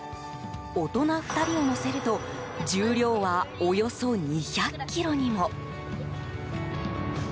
大人２人を乗せると重量は、およそ２００ｋｇにも。